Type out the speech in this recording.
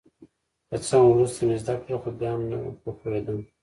که څه هم وروسته مې زده کړل خو بیا هم نه په پوهېدم.